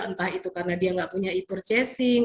entah itu karena dia nggak punya e purchasing